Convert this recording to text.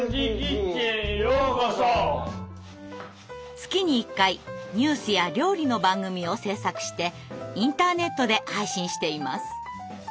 月に１回ニュースや料理の番組を制作してインターネットで配信しています。